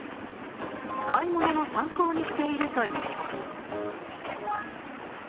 買い物の参考にしているという。